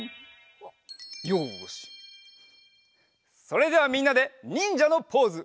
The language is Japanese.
それではみんなでにんじゃのポーズ。